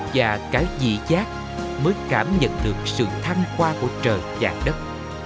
và cả dị giác mới cảm nhận được sự thăng hoa của trời và đất